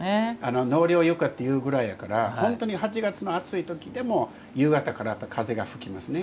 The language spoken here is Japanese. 「納涼床」というぐらいやから本当に８月の暑い時でも夕方から風が吹きますね。